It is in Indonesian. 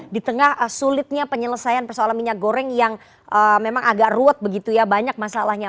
di tengah sulitnya penyelesaian persoalan minyak goreng yang memang agak ruwet begitu ya banyak masalahnya